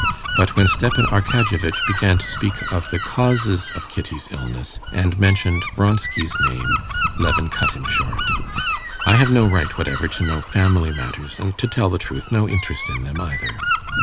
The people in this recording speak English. But when Stepan Arkadyevitch began to speak of the causes of Kitty's illness, and mentioned Vronsky's name, Levin cut him short. "I have no right whatever to know family matters, and, to tell the truth, no interest in them either."